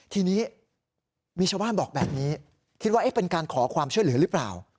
ทีนี้มีชาวบ้านบอกแบบนี้คิดว่าเป็นการขอความช่วยเหลือหรือเปล่า